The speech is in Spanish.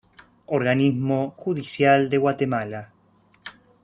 Organismo Judicial de Guatemala